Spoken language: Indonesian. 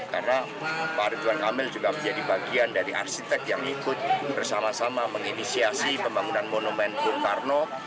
karena pak ridwan kamil juga menjadi bagian dari arsitek yang ikut bersama sama menginisiasi pembangunan monumen bum karno